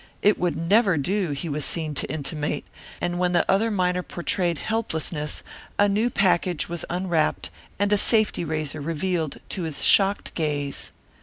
It would never do, he was seen to intimate, and when the other miner portrayed helplessness a new package was unwrapped and a safety razor revealed to his shocked gaze.